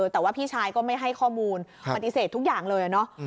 แต่ว่าพี่ชายก็ไม่ให้ข้อมูลปฏิเสธทุกอย่างเลยเนอะ